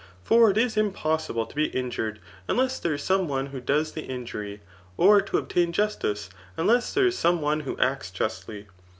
For it is impossible to be injured unless there is some one who does the injury; or to obtain justice, unless there fs some one who aicts justly.